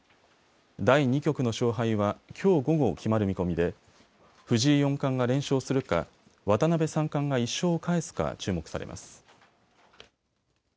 第２局の勝敗はきょう午後決まる見込みで藤井四冠が連勝するか、渡辺三冠が１勝を返すか注目されます。